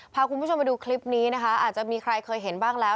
พาคุณผู้ชมไปดูคลิปนี้นะคะอาจจะมีใครเคยเห็นบ้างแล้ว